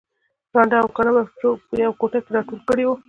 ړانده او کاڼه يې په يوه کوټه کې راټول کړي وو